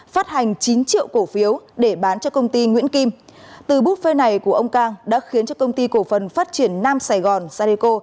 phát hành chín triệu cổ phiếu để bán cho công ty nguyễn kim từ bút phê này của ông cang đã khiến cho công ty cổ phần phát triển nam sài gòn sadeco